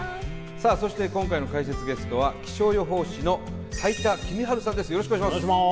さあそして今回の解説ゲストは気象予報士の斉田季実治さんです